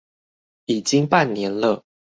已經半年了